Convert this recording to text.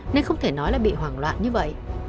nên không thể nói là bị hoảng loạn như vậy